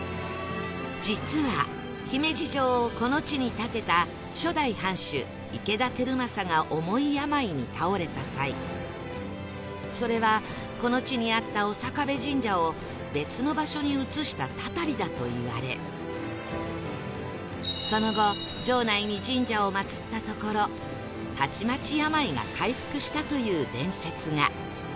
実は姫路城をこの地に建てた初代藩主池田輝政が重い病に倒れた際それはこの地にあった長壁神社を別の場所に移した祟りだといわれその後城内に神社を祀ったところたちまち病が回復したという伝説が